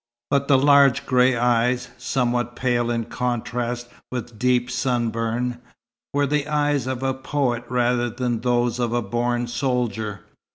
But the large grey eyes, somewhat pale in contrast with deep sunburn, were the eyes of a poet rather than those of a born soldier.